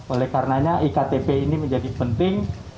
oleh karenanya iktp ini menjadi penting